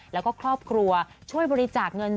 แล้วก็ครอบครัวช่วยบริจาคเงิน